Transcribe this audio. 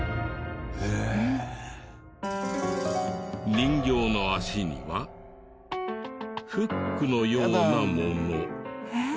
人形の足にはフックのようなもの。